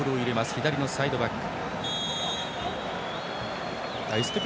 左のサイドバック。